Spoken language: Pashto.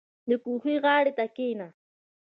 • د کوهي غاړې ته کښېنه.